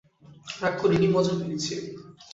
রাগ করি নি, মজা পেয়েছি।